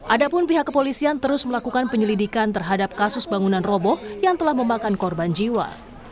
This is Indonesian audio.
ada pun pihak kepolisian terus melakukan penyelidikan terhadap kasus bangunan roboh yang telah memakan korban jiwa